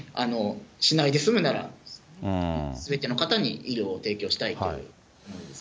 しないで済むなら、すべての方に医療を提供したいという思いです。